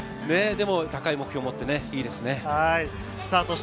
でも高い目標を持っていいですね。